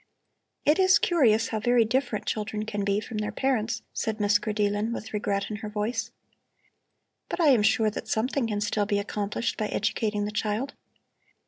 "It is curious how very different children can be from their parents," said Miss Grideelen with regret in her voice. "But I am sure that something can still be accomplished by educating the child.